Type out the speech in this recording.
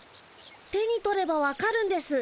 手に取ればわかるんです。